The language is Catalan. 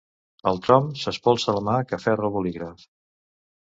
El Tom s'espolsa la mà que aferra el bolígraf.